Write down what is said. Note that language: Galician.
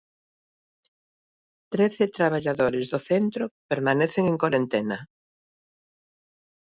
Trece traballadores do centro permanecen en corentena.